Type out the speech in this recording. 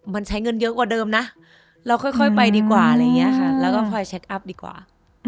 มันใช้เงินเยอะกว่าเดิมนะเราค่อยไปดีกว่าอะไรอย่างนี้ค่ะแล้วก็คอยเช็คอัพดีกว่า